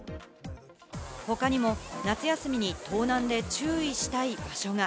他にも夏休みに盗難で注意したい場所が。